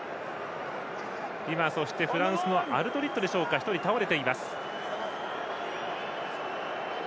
そして、フランスのアルドリットでしょうか１人、倒れています。